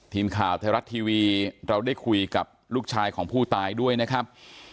ทีมข่าวไทยรัฐทีวีเราได้คุยกับลูกชายของผู้ตายด้วยนะครับ